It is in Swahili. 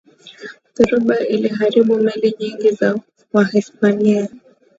dhoruba iliharibu meli nyingi za wahispania